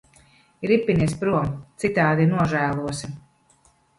Ripinies prom, citādi nožēlosi.